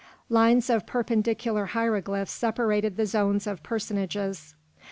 Lines of perpendicular hieroglyphs separated the zones of personages.